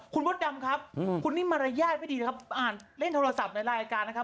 ครับอืมคุณนี่มารยาทไม่ดีนะครับอ่านเล่นโทรศัพท์ในรายการนะครับ